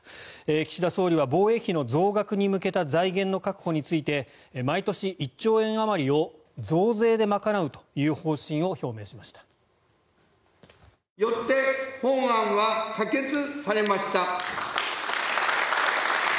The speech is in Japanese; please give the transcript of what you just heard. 岸田総理は防衛費の増額に向けた財源の確保について毎年１兆円あまりを増税で賄うという方針をまとめました。